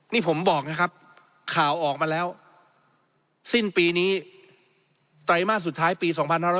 นี่ผมบอกนะครับข่าวออกมาแล้วสิ้นปีนี้ไตรมาสสุดท้ายปี๒๕๖๐